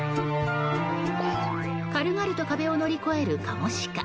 軽々と壁を乗り越えるカモシカ。